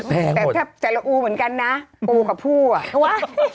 แต่ละอูเหมือนกันนะอูกับผู้อ่ะ